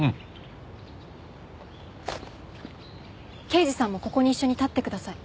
刑事さんもここに一緒に立ってください。